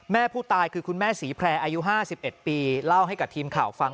ผู้ตายคือคุณแม่ศรีแพร่อายุ๕๑ปีเล่าให้กับทีมข่าวฟัง